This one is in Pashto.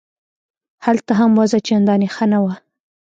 هلته هم وضع چندانې ښه نه وه.